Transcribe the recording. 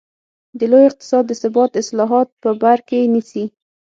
د لوی اقتصاد د ثبات اصلاحات په بر کې نیسي.